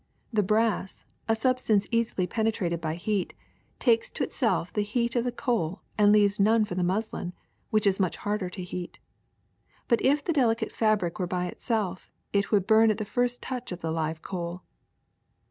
The brass, a sub stance easily penetrated by heat, takes to itself the heat of the coal and leaves none for the muslin, which is much harder to heat. But if the delicate fabric were by itself, it would burn at the first touch of the live coal."